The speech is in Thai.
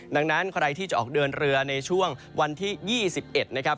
ดังนั้นใครที่จะออกเดินเรือในช่วงวันที่๒๑นะครับ